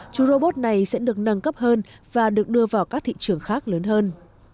chú robot này sẽ được nâng cấp hơn và được đưa vào các thị trường khác lớn hơn